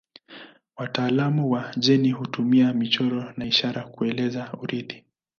Wataalamu wa jeni hutumia michoro na ishara kueleza urithi.